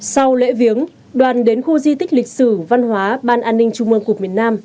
sau lễ viếng đoàn đến khu di tích lịch sử văn hóa ban an ninh trung mương cục miền nam